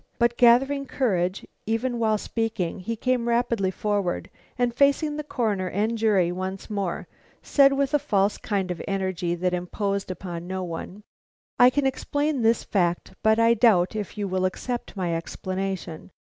But gathering courage even while speaking, he came rapidly forward, and facing Coroner and jury once more, said with a false kind of energy that imposed upon no one: "I can explain this fact, but I doubt if you will accept my explanation.